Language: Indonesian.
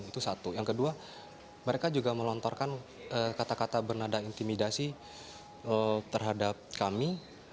itu satu yang kedua mereka juga melontarkan kata kata bernada intimidasi terhadap kami